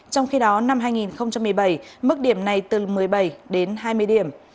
trong khi đó năm hai nghìn một mươi bảy mức điểm này từ một mươi bảy đến hai mươi điểm